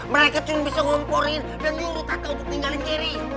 mereka cuma bisa ngomporin dan nyuruh tata untuk tinggalin gary